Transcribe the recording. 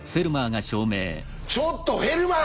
ちょっとフェルマーさん